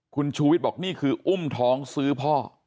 คุณชูวิทย์บอกนี่คืออุ้มท้องซื้อพ่อ